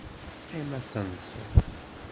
Qqim ad tenseḍ.